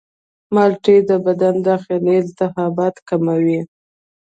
مالټې د بدن داخلي التهابات کموي.